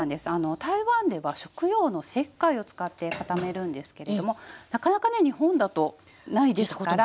台湾では食用の石灰を使って固めるんですけれどもなかなかね日本だとないですから。